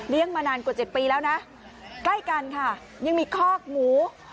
เลี้ยงมานานกว่าเจ็ดปีแล้วนะใกล้กันค่ะยังมีคอกหมู